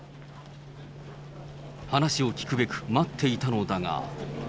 話を聞くべく待っていたのだが。